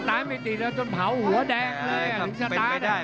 เมอะตรายไม่ดีแล้วจนเผาหัวแดงเลย